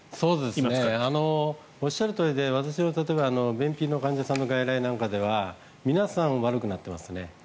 おっしゃるとおりで私も例えば便秘の患者さんの外来なんかは皆さん悪くなってますね。